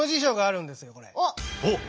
おっ！